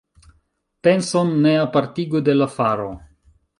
Penson ne apartigu de la faro.